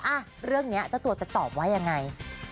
อ่ะเรื่องนี้เจ้าตัวจะตอบว่ายังไง